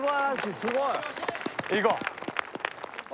すごい！いこう！